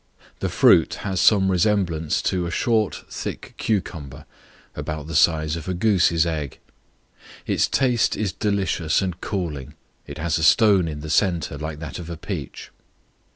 The fruit has some resemblance to a short thick cucumber, about the size of a goose's egg; its taste is delicious and cooling; it has a stone in the centre, like that of a peach.